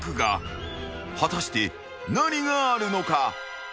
［果たして何があるのか？］